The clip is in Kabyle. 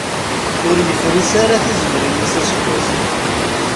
Ur yefris ara tizemmrin-is aseggas-a.